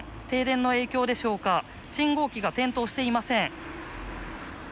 停電の影響でしょうか、信号機が点灯していません。